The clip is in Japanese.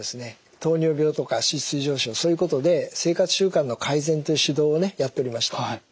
糖尿病とか脂質異常症そういうことで生活習慣の改善という指導をねやっておりました。